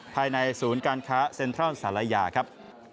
ภายในศูนย์การค้าเซ็นทรัลศาลายาครับ